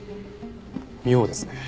妙ですね。